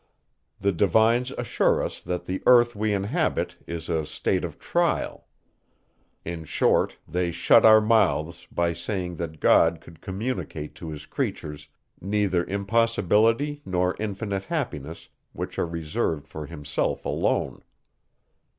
The divines assure us, that the earth we inhabit, is a state of trial. In short, they shut our mouths, by saying, that God could communicate to his creatures neither impossibility nor infinite happiness, which are reserved for himself alone.